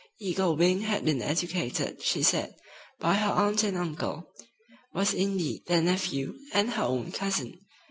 Eagle Wing had been educated, she said, by her aunt and uncle, was indeed their nephew and her own cousin.